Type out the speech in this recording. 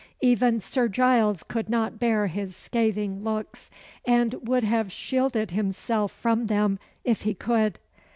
Even Sir Giles could not bear his scathing looks, and would have shielded himself from them if he could.